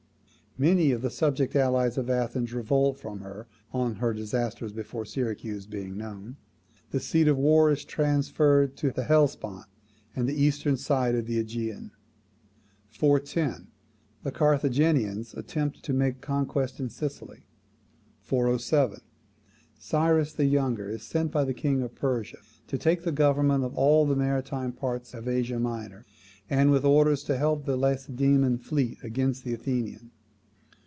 Many of the subject allies of Athens revolt from her, on her disasters before Syracuse being known; the seat of war is transferred to the Hellespont and eastern side of the AEgean. 410. The Carthaginians attempt to make conquests in Sicily. 407. Cyrus the Younger is sent by the king of Persia to take the government of all the maritime parts of Asia Minor, and with orders to help the Lacedaemonian fleet against the Athenian.